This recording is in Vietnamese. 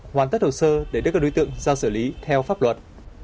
hoàn tất hồ sơ để đưa các đối tượng ra xử lý theo pháp luật